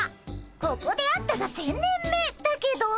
ここで会ったが１，０００年目だけど。